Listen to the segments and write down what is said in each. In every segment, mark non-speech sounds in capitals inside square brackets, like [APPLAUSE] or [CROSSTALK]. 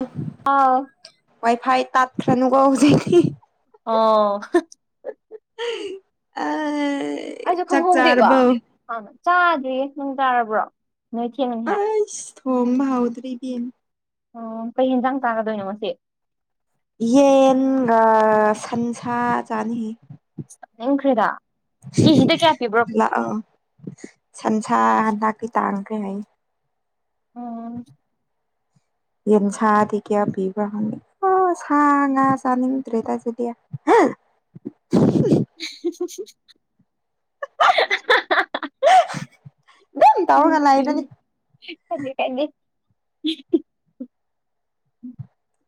ꯍ ꯑꯥ ꯋꯥꯏ ꯐꯥꯏ ꯇ ꯈꯅꯨꯒꯣ ꯍꯧꯖ ꯑꯣ ꯑ ꯑꯩꯁꯨ ꯈꯪꯍꯧꯗꯦꯀꯣ ꯍꯥꯟꯅ ꯆꯥꯗ꯭ꯔꯤꯌꯦ ꯅꯨꯡ ꯇꯥꯔꯕ꯭ꯔꯣ ꯅꯣꯏ ꯊꯦꯡꯅꯉ ꯍꯥꯏ ꯊꯣꯝꯕꯥꯎꯗ꯭ꯔꯤ ꯑꯣ ꯀꯩ ꯌꯦꯟꯖꯥꯡ ꯀꯥꯒꯗꯣꯏꯅꯣ ꯁꯤꯦ ꯌꯦꯟꯒ ꯁꯟꯁꯥ ꯆꯥꯅꯤ ꯆꯅꯤꯡꯟꯈ꯭ꯔꯦꯗ ꯀꯦꯖꯤꯗ ꯀꯌꯥ ꯄꯤꯕ꯭ꯔꯣ ꯑ ꯑꯥ ꯁꯟꯁꯥ ꯍꯟꯗꯛꯀꯤ ꯇꯥꯡꯈ꯭ꯔꯦ ꯍꯥꯏ ꯎꯝ ꯌꯦꯟ ꯁꯥꯥꯗꯤ ꯀꯌꯥ ꯄꯤꯕꯅꯤ ꯑꯣ ꯁ ꯉ ꯆꯅꯤꯡꯗ꯭ꯔꯦ ꯇꯥꯏꯁꯦꯗꯤ ꯁ ꯁꯨꯔ ꯑꯗꯨꯝ ꯇꯧꯔꯒ ꯂꯩꯕꯅꯤ ꯎꯝ ꯎ ꯑꯗꯨ ꯀꯗꯤ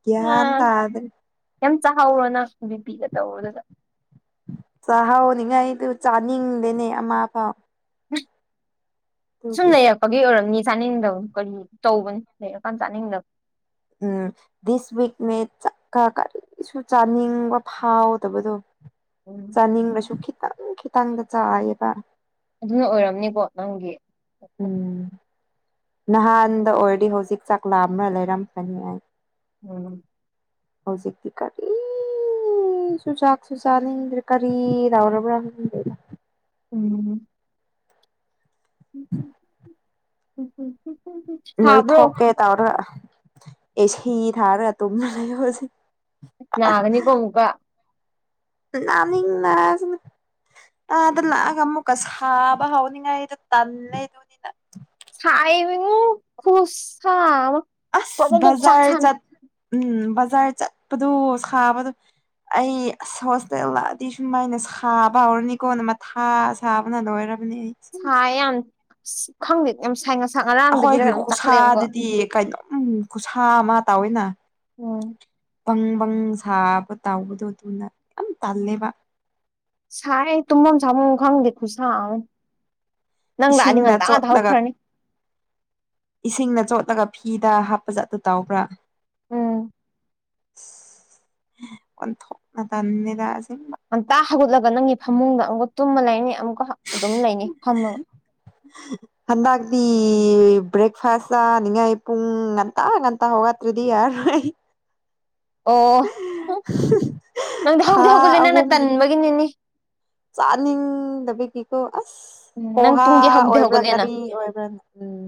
ꯒ꯭ꯌꯥꯟ ꯎꯝ ꯇꯥꯗ꯭ꯔꯦ ꯌꯥꯝ ꯆꯥꯍꯥꯎꯔꯣꯅꯪ ꯕꯤꯄꯤꯒ ꯇꯧꯕꯔꯗꯨꯗ ꯆꯥꯛꯍꯥꯎꯅꯤꯉꯥꯏꯗꯨ ꯆꯥꯅꯤꯡꯗꯦꯅꯦ ꯑꯃ ꯐꯥꯎ ꯑꯗꯨꯒꯤ ꯁꯅ ꯐꯥꯒꯤꯦ ꯑꯣꯏꯔꯝꯅꯤ ꯆꯥꯅꯤꯡꯗꯕꯅ ꯀꯔꯤ ꯇꯧꯕꯅꯤ ꯂꯩꯔꯀꯥꯟꯗ ꯆꯥꯅꯤꯡꯗꯕ ꯎꯝ ꯗꯤꯁ ꯋꯤꯛꯅꯦ ꯀꯔꯤꯁꯨ ꯆꯥꯅꯤꯡꯕ ꯐꯥꯎꯗꯕꯗꯣ ꯎꯝ ꯆꯥꯅꯤꯡꯕꯁꯨ ꯈꯤꯇꯪ ꯈꯤꯇꯪꯗ ꯆꯥꯏꯌꯦꯕ ꯑꯗꯨꯅ ꯑꯣꯏꯔꯝꯅꯤꯀꯣ ꯅꯪꯒꯤ ꯎꯝ ꯅꯍꯥꯟꯗ ꯑꯣꯏꯔꯗꯤ ꯍꯧꯖꯤꯛ ꯆꯥꯛꯂꯥ ꯑꯃꯅ ꯂꯩꯔꯝ ꯐꯅꯤ ꯑꯩ ꯎꯝ ꯍꯧꯖꯤꯛꯇꯤ ꯀꯔꯤ ꯁꯨꯨ ꯆꯥꯛꯁꯨ ꯆꯥꯅꯤꯡꯗ꯭ꯔꯦ ꯀꯔꯤ ꯂꯧꯧꯔꯕ꯭ꯔꯥ ꯈꯪꯗꯦꯗꯣ ꯎꯝ ꯎ ꯎ ꯅꯣꯏ ꯊꯣꯛꯀꯦ ꯇꯧꯔꯒ ꯑꯦ ꯁꯤ ꯊꯥꯔꯒ ꯇꯨꯝꯅ ꯂꯩꯣ ꯍꯧꯖꯤ ꯅꯥꯒꯅꯤ ꯀꯣꯀ [INAUDIBLE] ꯑ ꯂꯃꯨ ꯀꯥ ꯁꯕ ꯍꯥꯉꯥꯏ ꯇ ꯁꯥꯏꯕꯤ ꯈ ꯑꯁ ꯕꯖꯥꯔ ꯆ ꯎꯝ ꯕꯖꯥꯔ ꯆꯠꯄꯗꯨꯣ ꯁꯥꯕꯗꯣ ꯑꯩ ꯑꯁ ꯍꯣꯁꯇꯦꯜꯑꯗꯤ ꯁꯨꯃꯥꯏꯅ ꯁꯥꯕ ꯍꯧꯔꯅꯤꯀꯣꯅ ꯃꯊ ꯁꯥꯕꯅ ꯂꯣꯏꯔꯕꯅꯤ ꯁꯥꯏ ꯌꯥꯝ ꯈꯪꯗꯦ ꯌꯥꯝ ꯁꯥꯏ ꯉꯁꯥꯡ ꯉꯔꯥꯡꯗꯒꯤꯔ ꯑꯗꯨ ꯆꯥꯈꯠꯂꯦꯕꯀꯣ ꯀꯥꯏꯅꯣ ꯎꯝ ꯈꯨꯁꯥ ꯑꯃ ꯇꯥꯎꯋꯦꯅ ꯑꯣꯝ ꯕꯪ ꯕꯪ ꯁꯥꯕ ꯇꯥꯎꯕꯗꯣ ꯑꯗꯨꯅ ꯌꯥꯝ ꯇꯜꯂꯦꯕ ꯁꯥꯏ ꯇꯨꯝꯐꯝ ꯁꯥꯐꯝ ꯈꯪꯗꯦ ꯈꯨꯠꯁꯥ ꯑꯃꯅꯤ ꯅꯪ ꯂ ꯑꯅꯤ ꯏꯁꯤꯡꯅ ꯉꯟꯇꯥ ꯉꯇ ꯆꯣꯠꯂꯒ ꯍꯧꯈ꯭ꯔꯅꯤ ꯏꯁꯤꯡꯅ ꯆꯣꯠꯂꯒ ꯐꯤꯗ ꯍꯥꯞꯄ ꯖꯠ ꯑꯗꯨ ꯇꯧꯕ꯭ꯔꯥ ꯎꯝ ꯑꯣꯟꯊꯣꯛꯅ ꯇꯟꯅꯤꯗ ꯑꯁꯦꯡꯕ ꯉꯟꯇꯥ ꯍꯧꯒꯠꯂꯒ ꯅꯪꯒꯤ ꯐꯃꯨꯡꯗ ꯑꯃꯨꯛ ꯇꯨꯝꯃ ꯂꯩꯅꯤ ꯑꯃꯨꯛꯀ ꯑꯗꯨꯝ ꯂꯩꯅꯤ ꯐꯝꯃꯒ [UNINTELLIGIBLE] ꯍꯟꯗꯛꯗꯤ ꯕ꯭ꯔꯦꯛꯐꯥꯁ ꯆꯥꯅꯤꯡꯉꯥꯏ ꯄꯨꯡ ꯉꯟꯇꯥ ꯉꯟꯇꯥ ꯍꯩꯒꯠꯇ꯭ꯔꯗꯤ ꯌꯥꯔꯣꯏ ꯑꯣ ꯅꯪꯗꯤ ꯊꯥ ꯍꯧꯗꯤ ꯍꯧꯒꯠꯂꯦ ꯅꯪꯅ ꯇꯟꯕꯒꯤꯅꯤꯅꯤ ꯆꯥꯅꯤꯡꯗꯕꯤꯀꯣ ꯑꯁ ꯎꯝ ꯅꯪ ꯄꯣꯍꯥ ꯄꯨꯡꯗꯤ ꯍꯧꯗꯤ ꯑꯣꯏꯕ꯭ꯔꯥ ꯍꯧꯒꯠꯂꯦꯅ ꯀꯔꯤ ꯑꯣꯏꯕ꯭ꯔꯥ ꯎꯝ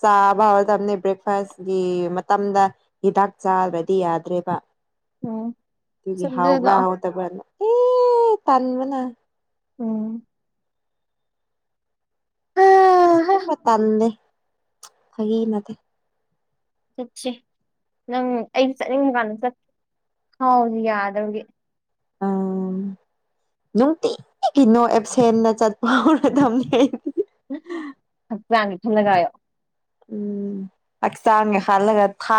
ꯆꯥꯕ ꯍꯧꯔꯗꯕꯅꯤ ꯕ꯭ꯔꯦꯛꯐꯥꯁꯀꯤ ꯃꯇꯝꯗ ꯍꯤꯗꯥꯛ ꯆꯥꯗ꯭ꯔꯗꯤ ꯌꯥꯗ꯭ꯔꯦꯕ ꯎꯝ ꯗꯒꯤ ꯆꯠꯂꯨ ꯍꯥꯎꯕ꯭ꯔ ꯂꯥꯛꯑꯣ ꯍꯥꯎꯇꯕ꯭ꯔꯅ ꯑꯦ ꯇꯟꯕꯅ ꯎꯝ ꯇꯜꯂꯤ ꯐꯥꯒꯤ ꯅꯠꯇꯦ ꯆꯠꯁꯦ ꯅꯪ ꯑꯩ ꯆꯠꯅꯤꯡꯕ ꯀꯥꯟꯗ ꯆꯠ ꯍꯥꯎꯁꯨ [UNINTELLIGIBLE] ꯌꯥꯗꯕꯒꯤ ꯑꯝ ꯅꯨꯡꯇꯤꯒꯤ ꯅꯣ ꯑꯦꯞꯁꯦꯟꯗ ꯆꯠꯄ ꯍꯧꯔꯗꯝꯅꯤ ꯑꯩ ꯍꯛꯆꯥꯡꯒꯤ ꯈꯜꯂꯒ ꯎꯝ ꯍꯛꯆꯥꯡꯒꯤ ꯍꯜꯂꯒ ꯊꯥ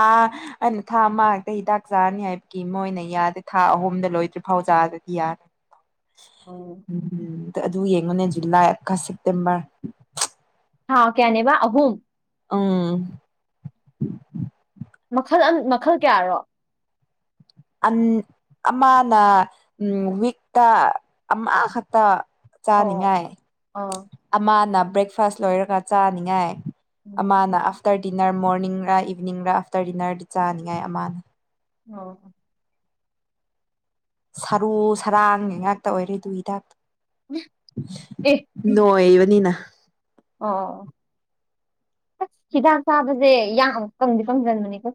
ꯑꯩꯅ ꯊꯥ ꯑꯃ ꯈꯛꯇ ꯍꯤꯗꯥꯛ ꯆꯥꯅꯤ ꯍꯥꯏꯕꯒꯤ ꯃꯣꯏꯅ ꯌꯥꯗꯦ ꯊꯥ ꯑꯍꯨꯝꯗ ꯂꯣꯏꯗ꯭ꯔꯤꯐꯥꯎ ꯆꯥꯗꯗꯤ ꯌꯥ ꯎꯝ ꯎꯝ ꯑꯗꯨ ꯌꯦꯡꯉꯨꯅꯦ ꯖꯨꯂꯥꯏꯀ ꯁꯦꯞꯇꯦꯝꯕꯔ ꯊꯥ ꯀꯌꯥꯅꯦꯕ ꯑꯍꯨꯝ ꯑꯪ ꯃꯈꯜ ꯑꯝ ꯃꯈꯜ ꯀꯌꯥꯔꯣ ꯑꯝ ꯑꯃꯥꯅ ꯋꯤꯛꯇ ꯑꯃꯥ ꯈꯛꯇ ꯑꯣ ꯑꯣ ꯆꯥꯅꯤꯡꯉꯥꯏ ꯑꯣ ꯑꯃꯅ ꯕ꯭ꯔꯦꯛꯐꯥꯁ ꯂꯣꯏꯔꯒ ꯆꯥꯅꯤꯡꯉꯥꯏ ꯎꯝ ꯑꯃꯅ ꯑꯥꯐꯇꯔ ꯗꯤꯅꯔ ꯃꯣꯔꯅꯤꯡꯔ ꯏꯚꯅꯤꯡꯔ ꯑꯥꯐꯇꯔ ꯗꯤꯅꯔꯗꯤ ꯆꯥꯅꯤꯡꯉꯥꯏ ꯑꯃꯅ ꯑꯣ ꯁꯔꯨ ꯁꯔꯥꯡꯒꯤ ꯉꯥꯛꯇ ꯑꯣꯏꯔꯦ ꯗꯨ ꯍꯤꯗꯥꯛ ꯑꯦ ꯅꯣꯏꯕꯅꯤꯅ ꯑꯣ ꯑꯁ ꯍꯤꯗꯥꯛ ꯆꯥꯕꯁꯦ ꯌꯥꯛ ꯑꯃꯨꯛ ꯀꯪꯗꯤ ꯀꯪꯖꯟꯕꯅꯦꯀꯣ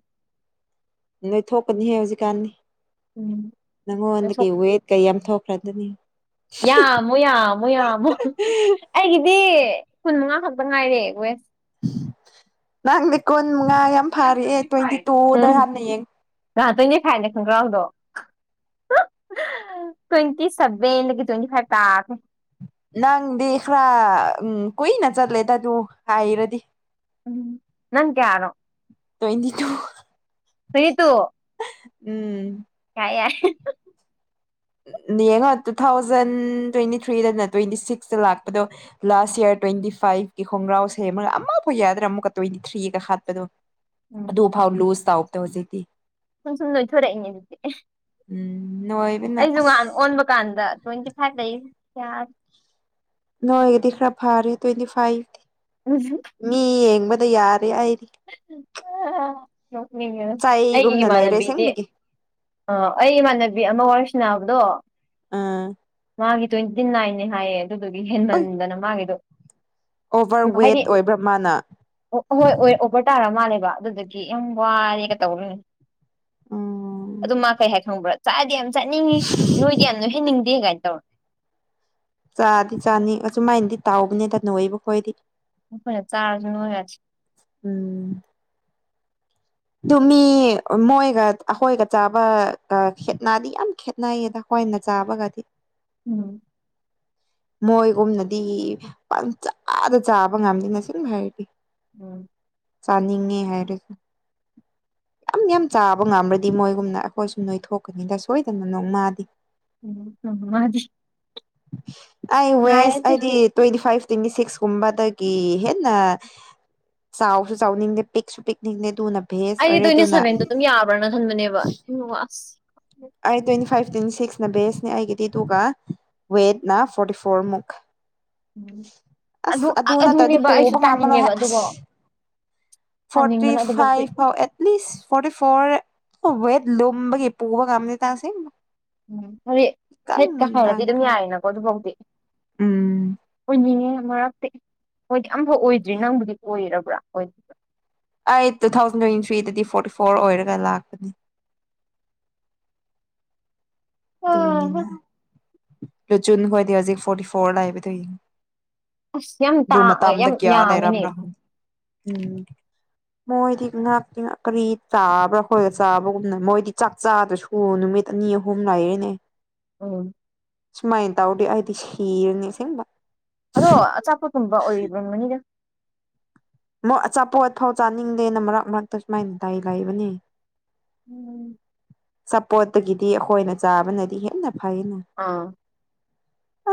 ꯅꯣꯏꯊꯣꯛꯀꯅꯤꯍꯦ ꯍꯧꯖꯤꯛꯀꯥꯟꯗꯤ ꯎꯝ ꯅꯁꯨ ꯅꯪꯉꯣꯟꯗꯒꯤ ꯋꯦꯠ ꯀꯩꯌꯥꯝ ꯊꯣꯛꯈ꯭ꯔꯗꯨꯅꯤ ꯌꯥꯝꯃꯣ ꯌꯥꯝꯃꯣ ꯌꯥꯝꯃꯣ ꯑꯩꯒꯤꯗꯤ ꯀꯨꯟ ꯃꯉꯥ ꯈꯛꯇ ꯉꯥꯏꯔꯦ ꯋꯦꯠ ꯅꯪꯗꯤ ꯀꯨꯟ ꯃꯉꯥ ꯌꯥꯝ ꯐꯥꯔꯦ ꯇ꯭ꯋꯦꯟꯇꯤ ꯇꯨꯗ ꯍꯥꯟꯅ ꯌꯦꯡ ꯉ [UNINTELLIGIBLE] ꯇ꯭ꯋꯦꯟꯇꯤ ꯐꯥꯏꯚꯅꯦ ꯈꯪꯒ꯭ꯔꯥꯎꯗꯣ ꯇ꯭ꯋꯦꯟꯇꯤ ꯁꯚꯦꯟꯗꯒꯤ ꯇ꯭ꯋꯦꯟꯇꯤ ꯐꯥꯏꯚ ꯇꯥꯈ꯭ꯔꯦ ꯅꯪꯗꯤ ꯈꯔ ꯎꯝ ꯀꯨꯏꯅ ꯆꯠꯂꯦꯗ ꯑꯗꯨ ꯍꯥꯏꯔꯗꯤ ꯎꯝ ꯅꯪ ꯀꯌꯥꯅꯣ ꯇ꯭ꯋꯦꯟꯇꯤ ꯇꯨ ꯇ꯭ꯋꯦꯟꯇꯤ ꯇꯨ ꯎꯝ ꯌꯥꯏ ꯌꯥꯏ ꯌꯦꯡꯉꯣ ꯇꯨ ꯊꯥꯎꯖꯟ ꯇ꯭ꯋꯦꯟꯇꯤ ꯊ꯭ꯔꯤꯗꯅ ꯇ꯭ꯋꯦꯟꯇꯤ ꯁꯤꯛꯁꯇ ꯂꯥꯛꯄꯗꯣ ꯂꯥꯁ ꯌꯔ ꯇ꯭ꯋꯦꯟꯇꯤ ꯐꯥꯏꯚꯀꯤ ꯈꯣꯡꯒ꯭ꯔꯥꯎ ꯁꯦꯝꯃ ꯑꯃꯐꯥꯎ ꯌꯥꯗ꯭ꯔꯥ ꯑꯃꯨꯛꯀ ꯇ꯭ꯋꯦꯟꯇꯤ ꯊ꯭ꯔꯤꯒꯤ ꯍꯥꯠꯄꯗꯣ ꯎꯝ ꯑꯗꯨꯐꯥꯎ ꯂꯨꯖ ꯇꯧꯕꯗ ꯍꯧꯖꯤꯛꯇꯤ ꯁꯨꯝ ꯁꯨꯝ ꯅꯣꯏꯊꯣꯔꯛꯏꯅꯦ ꯑꯗꯨꯗꯤ ꯎꯝ ꯅꯣꯏ ꯑꯩꯁꯨ ꯉꯥꯟ ꯑꯣꯟꯕ ꯀꯥꯟꯗ ꯇ꯭ꯋꯦꯟꯇꯤ ꯐꯥꯏꯚ ꯂꯩ ꯌꯥ ꯅꯣꯒꯤꯗꯤ ꯈꯔ ꯐꯥꯔꯤ ꯇ꯭ꯋꯦꯟꯇꯤ ꯐꯥꯏꯚ ꯍꯧꯋ [UNINTELLIGIBLE] ꯃꯤ ꯌꯦꯡꯕꯗ ꯌꯥꯔꯦ ꯍꯥꯏꯔꯤ ꯅꯣꯛꯅꯤꯡꯉ ꯑꯩꯒꯤ ꯆꯩꯒꯨꯝꯅ ꯂꯩꯔꯦ ꯏꯃꯥꯟꯅꯕꯤꯗꯤ ꯑꯁꯦꯡꯕꯒꯤ ꯑ ꯑꯩ ꯏꯃꯥꯟꯅꯕꯤ ꯑꯃ ꯋꯥꯔꯁꯅꯥꯕꯗꯣ ꯑꯥ ꯃꯥꯒꯤ ꯇ꯭ꯋꯦꯟꯇ ꯐꯇꯤ ꯅꯥꯏꯅꯦ ꯍꯥꯏꯌꯦ ꯑꯗꯨꯗꯨꯒꯤ ꯑꯣꯏ ꯍꯦꯟꯃꯟꯗꯅ ꯃꯥꯒꯤꯗꯣ ꯑꯣꯚꯔ ꯋꯦꯠ ꯑꯣꯏꯕ꯭ꯔꯥ ꯃꯥꯅ ꯑꯣ ꯍꯣꯏ ꯑꯣꯏ ꯑꯣꯚꯔ ꯇꯥꯔ ꯃꯥꯜꯂꯦꯕ ꯑꯗꯨꯗꯒꯤ ꯌꯥꯝ ꯋꯥꯔꯦꯒ ꯇꯧꯕꯅꯦ ꯎꯝ ꯑꯗꯨ ꯃꯥ ꯀꯩ ꯍꯥꯏ ꯈꯪꯕ꯭ꯔꯥ ꯆꯥꯗꯤ ꯌꯥꯝ ꯆꯥꯅꯤꯡꯉꯤ ꯅꯣꯏꯗꯤ ꯌꯥꯝ ꯂꯣꯏꯍꯟꯅꯤꯡꯗꯦ ꯀꯥꯏꯅ ꯇꯧꯔ ꯆꯥꯗꯤ ꯆꯥꯅꯤ ꯑꯁꯨꯃꯥꯏꯅꯗꯤ ꯇꯥꯎꯕꯅꯤꯗ ꯅꯣꯏꯕ ꯈꯣꯏꯗꯤ ꯣꯏ ꯆꯥꯔꯁꯨꯅꯨꯡ ꯌꯥ ꯎꯝ ꯑꯗꯨ ꯃꯤ ꯃꯣꯏꯒ ꯑꯩꯈꯣꯏꯒ ꯆꯥꯕꯒ ꯈꯦꯠꯅꯗꯤ ꯌꯥꯝ ꯈꯦꯩ ꯅꯅꯥꯏꯌꯦꯗ ꯍꯣꯏꯅ ꯆꯥꯕꯒꯗꯤ ꯎꯝ ꯃꯣꯏꯒꯨꯝꯅꯗꯤ ꯄꯟꯆꯥꯥꯗ ꯆꯥꯕ ꯉꯝꯗꯦ ꯅꯁꯕ ꯍꯥꯏꯔꯗꯤ ꯎꯝ ꯆꯥꯅꯤꯡꯉꯦ ꯍꯥꯏꯔꯁꯨ ꯌꯥꯝ ꯌꯥꯝ ꯆꯥꯕ ꯉꯝ꯭ꯔꯗꯤ ꯃꯣꯏꯒꯨꯝꯅ ꯑꯩꯈꯣꯏꯁꯨ ꯅꯣꯏ ꯊꯣꯛꯀꯅꯤꯗ ꯁꯣꯏꯗꯅ ꯅꯣꯡ ꯃꯥꯗꯤ ꯎꯝ ꯑꯩ ꯋꯦꯁ ꯉꯥꯏꯔꯁꯦ ꯍꯥꯏꯗꯤ ꯇ꯭ꯋꯦꯟꯇꯤ ꯐꯥꯏꯚ ꯇ꯭ꯋꯦꯟꯇꯤ ꯁꯤꯛꯁꯀꯨꯝꯕꯗꯒꯤ ꯍꯦꯟꯅ ꯆꯥꯎꯁꯨ ꯆꯥꯎꯅꯤꯡꯗꯦ ꯄꯤꯛꯁꯨ ꯄꯤꯛꯅꯤꯡꯗꯦ ꯑꯗꯨꯅ ꯚꯦ ꯑꯩ ꯇ꯭ꯋꯦꯟꯇꯤ ꯁꯚꯦꯟꯗꯣ ꯑꯗꯨꯝ ꯌꯥꯕ꯭ꯔꯥꯅ ꯈꯟꯕꯅꯦꯕ ꯎꯝ ꯑꯁ ꯑꯩ ꯇ꯭ꯋꯦꯟꯇꯤ ꯐꯥꯏꯚ ꯇ꯭ꯋꯦꯟꯇꯤ ꯁꯤꯛꯁꯅ ꯕꯦꯁꯅꯦ ꯑꯩꯒꯤꯗꯤ ꯇꯨꯒ ꯋꯦꯠꯅ ꯐꯣꯔꯇꯤ ꯐꯣꯔꯃꯨꯛ ꯎꯝ ꯑꯁ ꯑꯗꯨ ꯑ- ꯅꯠꯇ꯭ꯔꯗꯤ ꯑꯗꯨꯅꯦꯕ ꯑꯩꯁꯨ ꯄꯨꯕ ꯉꯝꯃꯔꯣꯏꯍ ꯇꯥꯅꯤꯡꯉꯦꯕ ꯑꯗꯨꯐꯥꯎ ꯑꯁ ꯐꯣꯔꯇꯤ ꯇꯥꯅꯤꯡꯕꯅ ꯑꯗꯨꯐꯥꯎꯗꯤ five pass forty four weight ꯂꯨꯝꯕꯒꯤ ꯄꯨꯕ ꯉꯝꯗ ꯇꯥꯁꯦ ꯎꯝ ꯐꯔꯤ ꯍꯦꯛꯀ ꯍꯥꯏꯔꯗꯤ ꯑꯗꯨꯝ ꯀꯪꯈ꯭ꯔꯦ ꯌꯥꯏꯅꯀꯣ ꯑꯗꯨꯐꯥꯎꯗꯤ ꯎꯝ ꯑꯣꯏꯅꯤꯡꯉꯦ ꯃꯔꯛꯇꯤ ꯍꯣꯏꯗꯤ ꯑꯐꯥꯎ ꯑꯣꯏꯗ꯭ꯔꯤ ꯅꯪꯕꯨꯗꯤ ꯑꯣꯏꯔꯕ꯭ꯔꯥ ꯑꯣꯏ ꯑꯩ ꯇꯨ ꯊꯥꯎꯖꯟ ꯇ꯭ꯋꯦꯟꯇꯤ ꯊ꯭ꯔꯤꯗꯗꯤ ꯐꯣꯔꯇꯤ ꯐꯣꯔ ꯑꯣꯏꯔꯒ ꯂꯥꯛꯄꯅꯤ ꯑꯗꯨꯅꯤꯅ ꯑꯥ ꯂꯨꯆꯨꯟꯈꯣꯏꯗꯤ ꯍꯧꯖꯤꯛ ꯐꯣꯔꯇꯤ ꯐꯣꯔ ꯂꯥꯛꯏꯕꯗ ꯌꯦꯡ ꯑꯁ ꯌꯥꯝ ꯇꯥ ꯑꯗꯨꯗꯨ ꯃꯇ ꯑ ꯑꯃꯗ ꯌꯥꯝ ꯀꯌꯥ ꯌꯥꯝꯃꯤꯅꯦ ꯂꯩꯔꯝꯔꯣ ꯎꯝ ꯃꯣꯏꯗꯤ ꯉꯥꯛꯇꯤ ꯉ ꯀꯔꯤ ꯆꯥꯕ꯭ꯔꯥ ꯈꯈꯣꯏꯂ ꯆꯥꯕꯒꯨꯝꯅ ꯃꯣꯏꯗꯤ ꯆꯥꯛ ꯆꯥꯗꯁꯨ ꯑꯣ ꯅꯨꯃꯤꯠ ꯑꯅꯤ ꯑꯍꯨꯝ ꯂꯥꯏꯔꯦꯅꯦ ꯎꯝ ꯁꯨꯃꯥꯏꯅ ꯇꯧꯗꯤ ꯑꯩꯗꯤ ꯁꯤꯔꯅꯤ ꯁꯤꯁꯤꯡꯕ ꯑꯗꯣ ꯑꯆꯥꯄꯣꯠ ꯀꯨꯝꯕ ꯑꯣꯏꯔꯤꯕ ꯃꯅꯤꯗ ꯃ ꯑꯆꯥꯄꯣꯠꯐꯥꯎ ꯆꯥꯅꯤꯡꯗꯦꯅ ꯃꯔꯛ ꯃꯔꯛꯇ ꯁꯨꯃꯥꯏꯅ ꯗꯥꯏ ꯂꯥꯏꯏꯕꯅꯤ ꯆꯄꯣꯠꯇꯒꯤꯗꯤ ꯑꯩꯈꯣꯏꯅ ꯆꯥꯕꯅꯗꯤ ꯍꯦꯟꯅ ꯐꯩꯅ ꯑꯥ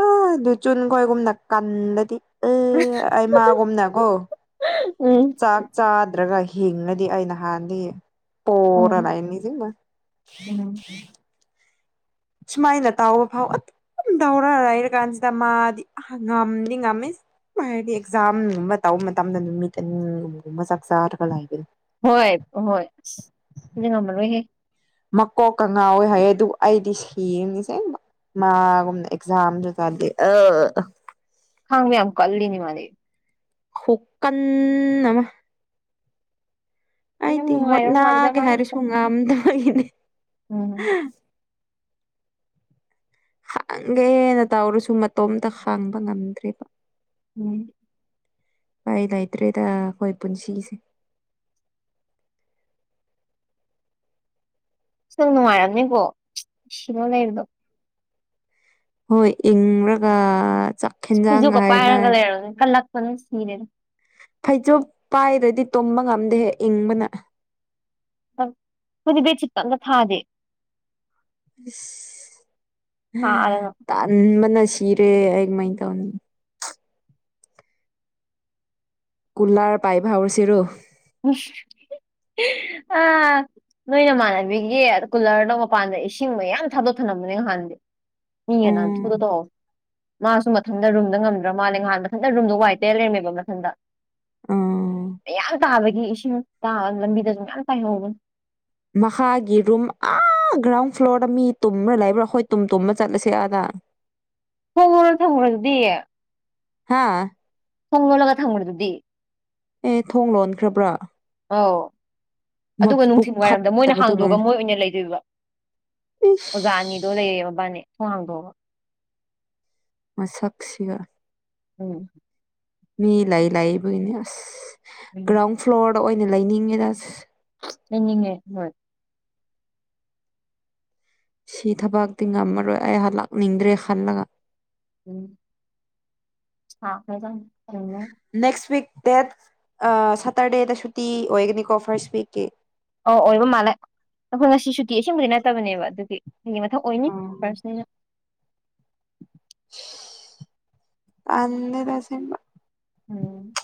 ꯑ ꯑꯗꯨ ꯆꯨꯟ ꯈꯣꯏꯒꯨꯝꯅꯀꯟꯗꯗꯤ ꯍꯥ ꯃꯥꯒꯨꯝꯅꯀꯣ ꯎꯝ ꯆꯥꯛ ꯆꯥꯗ꯭ꯔꯒ ꯍꯤꯡꯉꯗꯤ ꯑꯩ ꯅꯍꯥꯟꯗꯤ ꯄꯔ ꯂ ꯎꯝ ꯏꯅꯤꯁꯤꯕ ꯎꯝ ꯁꯨꯃꯥꯏꯅ ꯇꯑꯣ ꯐꯥꯎ ꯑꯗꯨꯝ ꯇꯧꯔ ꯂꯩꯔ ꯀꯥꯟꯁꯤꯗ ꯃꯥꯗꯤ ꯉꯝꯅꯤ ꯉꯝꯃꯤ ꯍꯥꯏꯗꯤ ꯑꯦꯛꯖꯥꯝꯒꯨꯝꯕ ꯇꯧꯕ ꯃꯇꯝꯗ ꯅꯨꯃꯤꯠ ꯑꯅꯤꯒꯨꯝꯕꯒꯨꯝꯕ ꯆꯥꯛ ꯆꯔꯒ ꯂꯒꯅꯤ ꯍꯣꯏ ꯍꯣꯏ ꯑꯁ ꯁꯤꯗꯤ ꯉꯝꯃꯔꯣꯏꯍꯦ ꯃꯀꯣꯛ ꯀꯉꯥꯎꯋꯦ ꯍꯥꯏꯌꯦ ꯑꯗꯨ ꯑꯩꯗꯤ ꯁꯦꯡꯅꯤꯁꯦ ꯃꯥꯒꯨꯝꯅ ꯑꯦꯛꯖꯥꯝꯁꯨ ꯆꯥꯗꯦ ꯑ ꯈꯥꯡꯕ ꯌꯥꯝ ꯀꯜꯂꯤꯅꯦ ꯃꯥꯗꯤ ꯍꯨꯀꯟꯅ ꯑꯃ ꯌꯥꯝ ꯑꯩꯗꯤ ꯅꯨꯡꯉꯥꯏꯔꯕ ꯃꯥꯜꯂꯤꯗ ꯍꯣꯠꯅꯒꯦ ꯃꯥ ꯍꯥꯏꯔꯁꯨ ꯍꯧꯖꯤꯛꯀꯥꯟ ꯉꯝꯗꯕꯒꯤꯅꯦ ꯎꯝ ꯍꯡꯒꯦꯅ ꯇꯧꯔꯁꯨ ꯃꯇꯣꯝꯇ ꯍꯡꯕ ꯉꯝꯗ꯭ꯔꯤꯕ ꯎꯝ ꯂꯩꯇ꯭ꯔꯦꯗ ꯑꯩꯈꯣꯏ ꯄꯨꯟꯁꯤꯁꯦ ꯅꯨꯡꯉꯥꯏꯔꯝꯅꯤꯕꯣ ꯅꯨꯡꯁꯤꯕ ꯂꯩꯕꯗꯣ ꯍꯣꯏ ꯏꯪꯔꯒ ꯍꯦꯟꯖꯥꯡꯒ ꯐꯩꯖꯨꯞꯀ ꯄꯥꯏꯔꯒ ꯍꯥꯏꯅꯔꯗꯤ ꯂꯩꯔꯝꯅꯤ ꯀꯜꯂꯛꯄꯅ ꯁꯤꯔꯦꯗ ꯐꯩꯖꯨꯝ ꯄꯥꯏꯗ꯭ꯔꯗꯤ ꯇꯨꯝꯕ ꯉꯝꯗꯦꯍꯦ ꯏꯪꯕꯅ ꯈꯣꯏꯗꯤ ꯕꯦꯗꯁꯤꯠꯀꯥ ꯑꯝꯇꯥ ꯊꯥꯗꯦ ꯑꯁ ꯁꯥꯗꯅ ꯇꯟꯕꯅ ꯁꯤꯔꯦ ꯑꯩ ꯀꯃꯥꯏ ꯇꯧꯅꯤ ꯀꯨꯂꯔ ꯄꯥꯏꯚꯥ ꯍꯧꯔꯁꯤꯔꯣ [INAUDIBLE] ꯑꯥ ꯅꯣꯏ ꯅꯃꯥꯟꯅꯕꯤꯒꯤ ꯀꯨꯜꯂꯔꯗꯣ ꯃꯄꯥꯟꯗ ꯏꯁꯤꯡ ꯃ ꯌꯥꯝ ꯊꯥꯗꯣꯛꯑ ꯊꯅꯝꯕꯅꯦ ꯅꯍꯥꯟꯗꯤ ꯃꯤꯒꯥ ꯎꯝ ꯅꯥꯟꯊꯨꯗ ꯇꯧꯍꯧꯏ ꯃꯥꯁꯨ ꯃꯊꯟꯇ ꯔꯨꯝꯗ ꯉꯝꯗ꯭ꯔꯥ ꯃꯥꯜꯂꯦ ꯅꯍꯥꯟ ꯃꯊꯟꯇ ꯔꯨꯝꯗꯣ ꯋꯥꯏ ꯇꯩꯔ ꯂꯩꯔꯝꯃꯦꯕ ꯃꯊꯟꯇ ꯑꯥ ꯃꯌꯥꯝ ꯇꯥꯕꯒꯤ ꯏꯁꯤꯡ ꯈꯨꯇꯥ ꯑꯝꯅꯤ ꯂꯝꯕꯤꯗꯁꯨ ꯃꯌꯥꯝ ꯇꯥꯏꯍꯧꯕꯅꯤ ꯃꯈꯥꯒꯤ ꯔꯨꯝ ꯑꯥ ꯑꯥ ꯒ꯭ꯔꯥꯎꯟ ꯐ꯭ꯂꯣꯔꯗ ꯃꯤ ꯇꯨꯝꯕ꯭ꯔꯥ ꯂꯩꯕ꯭ꯔꯥ ꯍꯣꯏ ꯇꯨꯝ ꯇꯨꯝꯃ ꯆꯠꯂꯁꯦ ꯑꯥꯗ [INAUDIBLE] ꯊꯝꯒ꯭ꯔꯗꯨꯗꯤ ꯍꯥꯥ ꯊꯣꯡ ꯂꯣꯜꯂꯒ ꯊꯝꯒ꯭ꯔꯗꯨꯗꯤ ꯑꯦ ꯊꯣꯡ ꯂꯣꯟꯈ꯭ꯔꯕ꯭ꯔꯥ ꯑꯧ ꯑꯗꯨꯒ ꯃꯕꯨꯛ ꯅꯨꯡꯊꯤꯜ ꯋꯥꯏꯔꯝꯗ ꯃꯣꯏꯅ ꯐꯠꯇꯕꯗꯨ ꯍꯥꯡꯗꯣꯛꯑꯒ ꯂꯣꯏꯔꯦ ꯃꯣꯏ ꯑꯣꯏꯅ ꯂꯩꯗꯣꯏꯕ ꯑꯣꯖꯥꯅꯤ ꯑꯗꯨꯝ ꯏꯁ ꯂꯩꯌꯦ ꯃꯕꯥꯅꯤ ꯊꯣꯡ ꯍꯥꯡꯗꯣꯛꯑꯒꯥ ꯃꯁꯛꯁꯤꯒ ꯎꯝ ꯃꯤ ꯂꯩ ꯂꯩꯕꯒꯤꯅꯦ ꯑꯁ ꯎꯝ ꯒ꯭ꯔꯥꯎꯟ ꯐ꯭ꯂꯣꯔꯗ ꯑꯣꯏꯅ ꯂꯩꯅꯤꯡꯉꯦꯗ ꯑꯁ ꯂꯩꯅꯤꯡꯉꯦ ꯍꯣꯏ ꯁꯤ ꯊꯕꯛꯇꯤ ꯉꯝꯃꯔꯣꯏ ꯑꯩ ꯍꯜꯂꯛꯅꯤꯡꯗ꯭ꯔꯦ ꯈꯜꯂꯒ ꯎꯝ [UNINTELLIGIBLE] ꯅꯦꯛꯁ ꯋꯤꯛ ꯗꯦꯠ ꯑ ꯁꯇꯔꯗꯦꯗ ꯁꯨꯇꯤ ꯑꯣꯏꯒꯅꯤꯀꯣ ꯐꯥꯔꯁꯠ ꯋꯤꯛꯀꯤ ꯑꯧ ꯑꯣꯏꯕ ꯃꯥꯜꯂꯦ ꯑꯩꯈꯣꯏ ꯉꯁꯤ ꯁꯨꯇꯤ ꯑꯁꯦꯡꯕꯗꯤ ꯅꯠꯇꯕꯅꯦꯕ ꯑꯗꯨꯒꯤ ꯑꯩꯒꯤ ꯃꯊꯛ ꯑꯣꯏꯅꯤ ꯐꯥꯔꯁꯅꯤꯅ ꯏꯁ ꯇꯜꯂꯦꯗ ꯑꯁꯦꯡꯕꯥ ꯎꯝ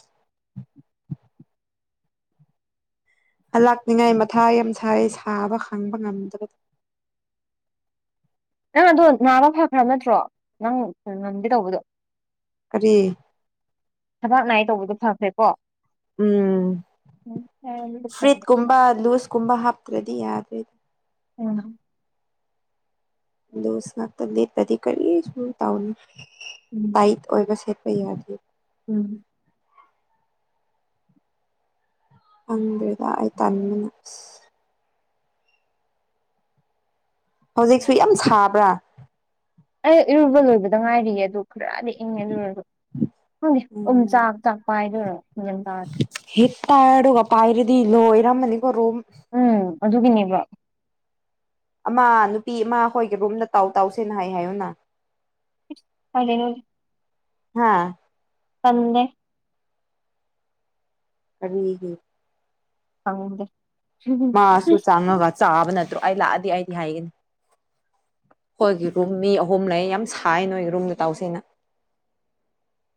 ꯍꯜꯂꯛꯅꯤꯡꯉꯥꯏ ꯃꯊꯥ ꯌꯥꯝ ꯁꯥꯏꯌꯦ ꯁꯥꯕ ꯈꯥꯡꯕ ꯉꯝꯗ꯭ꯔꯦ ꯅꯪ ꯑꯗꯣ ꯅꯥꯕ ꯐꯈ꯭ꯔꯕ ꯅꯠꯇ꯭ꯔꯣ ꯅꯪ ꯉꯝꯗꯦ ꯇꯧꯕꯗꯣ ꯀꯔꯤ ꯊꯕꯥꯛ ꯅꯥꯏꯌꯦ ꯇꯧꯕꯗꯨ ꯐꯈ꯭ꯔꯦꯀꯣ ꯎꯝ ꯎꯝ ꯐꯔꯦ ꯐ꯭ꯔꯤꯠꯀꯨꯝꯕ ꯂꯨꯁꯀꯨꯝꯕ ꯍꯥꯞꯇ꯭ꯔꯗꯤ ꯌꯥꯗ꯭ꯔꯤ ꯎꯝ ꯂꯨꯁ ꯉꯥꯛꯇꯥ ꯂꯤꯠꯄꯗꯤ ꯀꯔꯤꯁꯨ ꯇꯧꯅꯤ ꯎꯝ ꯇꯥꯏꯠ ꯑꯣꯏꯕ ꯁꯦꯠꯄ ꯌꯥꯗ꯭ꯔꯤ ꯎꯝ ꯈꯪꯗ꯭ꯔꯦꯗ ꯑꯩ ꯇꯟꯕꯅ ꯑꯁ ꯍꯧꯖꯤꯛꯁꯨ ꯌꯥꯝ ꯁꯥꯕ꯭ꯔꯥ ꯑꯩ ꯏꯔꯨꯕ ꯂꯣꯏꯕꯗ ꯉꯥꯏꯔꯤꯌꯦ ꯑꯗꯨ ꯈꯔꯗꯤ ꯏꯪꯉꯦ ꯑꯗꯨꯨ ꯑꯣꯏꯔꯁꯨ ꯈꯪꯗꯦ ꯎꯝ ꯆꯥꯛ ꯥ [UNINTELLIGIBLE] ꯍꯦ ꯇꯥꯏꯔꯒ ꯄꯥꯏꯔꯗꯤ ꯂꯣꯏꯔꯃꯅꯤ ꯀꯣ ꯔꯨꯝ ꯎꯝ ꯑꯗꯨꯒꯤꯅꯦꯕ ꯑꯃ ꯅꯨꯄꯤ ꯑꯃ ꯑꯩꯈꯣꯏꯒꯤ ꯔꯨꯝꯗ ꯇꯥꯎ ꯇꯥꯎꯁꯦꯅ ꯍꯥꯏ ꯍꯥꯏꯌꯨꯅ [UNINTELLIGIBLE] ꯍꯥꯥ ꯇꯟꯂꯦ ꯀꯔꯤꯒꯤ ꯈꯪꯗꯦ ꯃꯥꯁꯨ ꯆꯪꯉꯒ ꯆꯥꯕ ꯅꯠꯇ꯭ꯔꯣ ꯑꯩ ꯂꯥꯛꯑꯗꯤ ꯑꯩꯗꯤ ꯍꯥꯏꯒꯅꯤ ꯍꯣꯏꯒꯤ ꯔꯨꯝ ꯃꯤ ꯑꯍꯨꯝ ꯂꯩ ꯌꯥꯝ ꯁꯥꯏ ꯅꯣꯏꯒꯤ ꯔꯨꯝꯗ ꯇꯧꯁꯦꯅ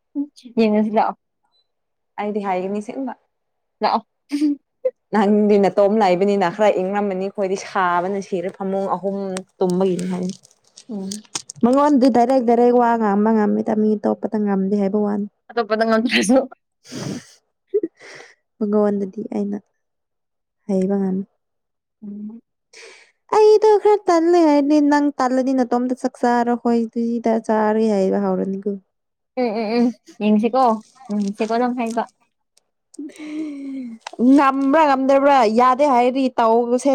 [UNINTELLIGIBLE] ꯑꯩꯗꯤ ꯍꯥꯏꯒꯅꯤ ꯑꯁꯦꯡꯕ ꯂꯥꯛꯑꯣ ꯅꯪꯗꯤ ꯅꯇꯣꯝ ꯂꯩꯏꯕꯅꯤꯅ ꯈꯔ ꯏꯪꯉꯝꯃꯅꯤ ꯑꯩꯈꯣꯏꯗꯤ ꯁꯥꯕꯅ ꯁꯤꯔꯦ ꯐꯃꯨꯡ ꯑꯍꯨꯝ ꯇꯨꯝꯕꯒꯤ ꯍꯥꯏꯦ ꯎꯝ ꯃꯉꯣꯟꯗꯤ ꯗꯥꯏꯔꯦꯛ ꯗꯥꯏꯔꯦꯛ ꯋꯥ ꯉꯥꯡꯕ ꯉꯝꯃꯤꯗ ꯃꯤ ꯑꯇꯣꯞꯄꯇ ꯉꯝꯗꯦ ꯍꯥꯏꯕ ꯋꯥꯅꯤ ꯑꯇꯣꯞꯄꯗ ꯉꯝꯗ꯭ꯔꯁꯨ [UNINTELLIGIBLE] ꯃꯉꯣꯟꯗꯗꯤ ꯑꯩꯅ ꯍꯥꯏꯕ ꯉꯝꯃꯤ ꯎꯝ ꯑꯩꯗꯣ ꯈꯔ ꯇꯜꯂꯦ ꯍꯥꯏꯗꯤ ꯅꯪ ꯇꯜꯂꯗꯤ ꯅꯇꯣꯝꯇ ꯆꯥꯛ ꯆꯥꯔꯣ ꯍꯣꯏꯗꯨꯏꯗ ꯆꯥꯔꯦ ꯍꯥꯏꯕ ꯍꯥꯎꯔꯅꯤ ꯀꯩꯅꫭ ꯎꯝ ꯎꯝ ꯎꯝ ꯌꯦꯡꯁꯤꯀꯣ ꯎꯝ ꯁꯤꯀꯣ ꯅꯪ ꯍꯥꯏꯗꫭ ꯉꯝꯕ꯭ꯔꯥ ꯉꯝꯗꯕ꯭ꯔꯥ ꯌꯥꯗꯦ ꯍꯥꯏꯔꯗꯤ ꯇꯧꯁꯦ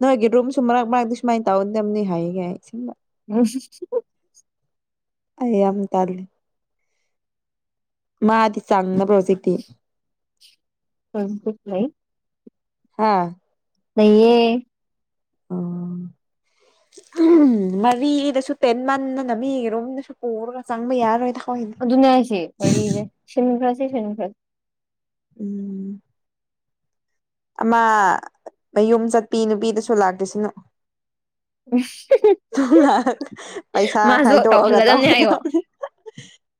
ꯅꯣꯏꯒꯤ ꯔꯨꯝꯁꯨ ꯃꯔꯛ ꯃꯔꯛꯇ ꯁꯨꯃꯥꯏꯅ ꯇꯧꯒꯗꯕꯅꯤ ꯍꯥꯏꯌꯦꯒ ꯏꯁꯦꯡꯕ [UNINTELLIGIBLE] ꯑꯩ ꯌꯥꯝ ꯇꯜꯂꯦ ꯃꯥꯗꯤ ꯆꯥꯡꯅꯕ꯭ꯔꯣ ꯍꯧꯖꯤꯛꯇꯤ [UNINTELLIGIBLE] ꯍꯥꯥ ꯂꯩꯌꯦ ꯑꯣ ꯃꯔꯤꯗꯁꯨ ꯇꯦꯟ ꯃꯟꯗꯅ ꯃꯤ ꯔꯣꯝꯗꯁꯨ ꯄꯨꯔꯒ ꯆꯪꯕ ꯌꯥꯔꯣꯏ ꯊꯥꯑꯣꯏꯅ ꯑꯗꯨꯅꯦ ꯍꯥꯏꯁꯦ ꯋꯥꯔꯤꯅꯦ ꯁꯤꯟꯈ꯭ꯔꯥꯁꯦ ꯁꯤꯟꯈ꯭ꯔꯁꯦ ꯎꯝ ꯑꯃ ꯃꯌꯨꯝ ꯆꯠꯄꯤ ꯅꯨꯄꯤꯗꯨꯁꯨ ꯂꯥꯛꯇꯁꯅꯨ ꯄꯨꯟꯅ ꯄꯩꯁꯥ ꯃꯥꯁꯨ ꯈꯥꯏꯗꯣꯑꯒ ꯇꯧꯍꯜꯂꯗꯕꯅꯦ ꯍꯥꯏꯌꯣ ꯇꯧꯒꯗꯕꯅꯤ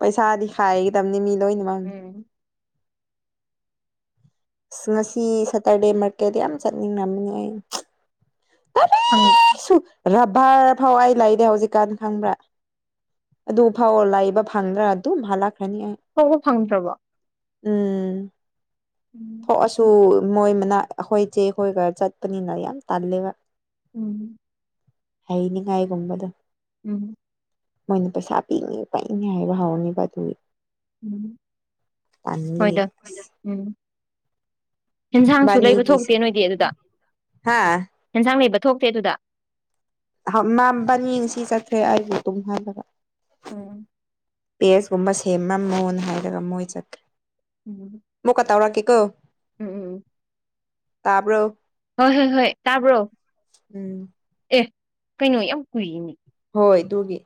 ꯄꯩꯁꯥꯗꯤ ꯍꯥꯏꯒꯗꯕꯅꯤ ꯃꯤ ꯂꯣꯏꯅꯃꯛ ꯎꯝ ꯑꯁ ꯉꯁꯤ ꯁꯇꯔꯗꯦ ꯃꯥꯀꯦꯠ ꯌꯥꯝ ꯆꯠꯅꯤꯡꯉꯝꯅꯤ ꯑꯩ ꯑꯪ ꯔꯕꯥꯔ ꯐꯥꯎ ꯑꯩ ꯂꯩꯔꯦ ꯍꯧꯖꯤꯛꯀꯥꯟ ꯈꯪꯕ꯭ꯔꯥ ꯑꯗꯨ ꯐꯥꯎꯕ ꯂꯩꯕ ꯐꯪꯗ꯭ꯔꯥ ꯑꯗꯨꯝ ꯍꯜꯂꯛꯀꯅꯤ ꯑꯩ ꯊꫭꯛꯄ ꯐꯪꯗ꯭ꯔꯕꯣ ꯎꯝ [INAUDIBLE] ꯊꯣꯛꯑꯁꯨ ꯃꯣꯏ ꯃꯅꯥꯛ ꯑꯩꯈꯣꯏ ꯆꯦ ꯈꯣꯏꯒ ꯆꯠꯄꯅꯤꯅ ꯌꯥꯝ ꯇꯜꯂꯦꯕ ꯎꯝ ꯍꯩꯅꯤꯡꯉꯥꯏꯒꯨꯝꯕꯗꫭ ꯎꯝ ꯃꯣꯏꯅ ꯄꯩꯁꯥ ꯄꯤꯅꯤ ꯄꯛꯏꯅꯤ ꯍꯧꯅꯦꯕ ꯑꯗꯨꯒꯤ ꯎꯝ ꯇꯥꯟꯕꯒꯤ ꯍꯣꯏꯗ ꯎꯝ ꯏꯟꯁꯥꯡꯁꯨ ꯂꯩꯕ ꯊꯣꯛꯇꯦ ꯕꯥꯅꯤꯒꯤꯁꯦ ꯅꯣꯏꯗꯤ ꯑꯗꯨꯗ ꯍꯥ ꯏꯟꯁꯥꯡ ꯂꯩꯕ ꯊꯣꯛꯇꯦ ꯑꯗꯨꯗ ꯃꯥꯕꯅꯤ ꯁꯤ ꯆꯠꯈ꯭ꯔꯦ ꯑꯩꯁꯨ ꯑꯗꯨꯝ ꯍꯥꯏꯕꯗ ꯑꯣ ꯄꯦꯁꯀꯨꯝꯕ ꯁꯦꯝꯃꯝꯃꯣꯅ ꯍꯥꯏꯔꯒ ꯃꯣꯏ ꯆꯠꯈ꯭ꯔꯦ ꯎꯝ ꯃꯨꯛꯀ ꯇꯧꯔꯛꯀꯦꯀꯣ ꯎꯝ ꯎꯝ ꯇꯥꯕꯔꯣ ꯍꯣꯏ ꯍꯣꯏ ꯍꯣꯏ ꯇꯥꯕ꯭ꯔꯣ ꯎꯝ ꯑꯦ ꯀꯩꯅꯣ ꯌꯥꯝ ꯀꯨꯏꯅꯦ ꯍꯣꯏ ꯑꯗꯨꯒꯤ